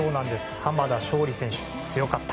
濱田尚里選手、強かった。